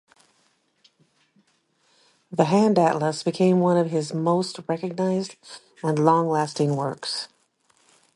The Handatlas became one of his most recognized and long-lasting works.